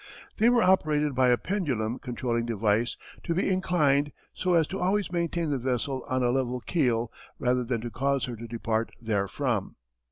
They were operated by a pendulum controlling device to be inclined so as to always maintain the vessel on a level keel rather than to cause her to depart therefrom.